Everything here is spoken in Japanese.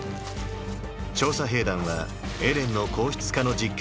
調査兵団はエレンの硬質化の実験を進めていた。